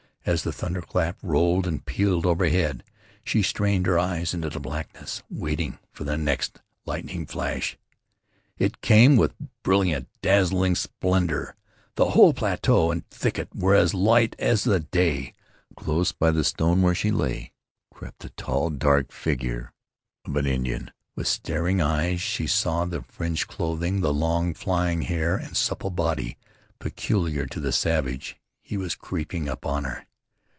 As the thunderclap rolled and pealed overhead, she strained her eyes into the blackness waiting for the next lightning flash. It came with brilliant, dazing splendor. The whole plateau and thicket were as light as in the day. Close by the stone where she lay crept the tall, dark figure of an Indian. With starting eyes she saw the fringed clothing, the long, flying hair, and supple body peculiar to the savage. He was creeping upon her.